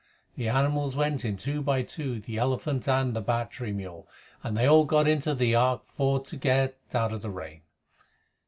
The animals went in two by two, The elephant and the battery mul', and they all got into the Ark For to get out of the rain!